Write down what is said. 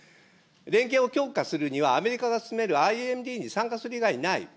連携を強化するには、アメリカが進めるＩＡＭＤに参加する以外にない。